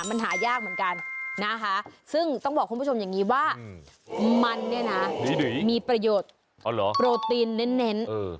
มันหายากเหมือนกันนะคะซึ่งต้องบอกคุณผู้ชมอย่างนี้ว่ามันเนี่ยนะมีประโยชน์โปรตีนเน้น